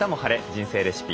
人生レシピ」